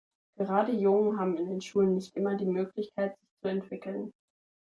Gerade Jungen haben in den Schulen nicht immer die Möglichkeiten, sich zu entwickeln.